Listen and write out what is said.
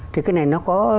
thì cái này nó có